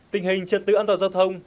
tình hình trật tự an toàn giao thông